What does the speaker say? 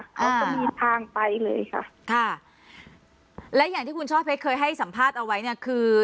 เขาก็มีทางไปเลยค่ะค่ะและอย่างที่คุณช่อเพชรเคยให้สัมภาษณ์เอาไว้เนี่ยคือ